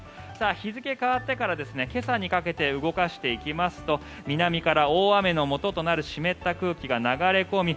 日付が変わってから今朝にかけて動かしていきますと南から大雨のもととなる湿った空気が流れ込み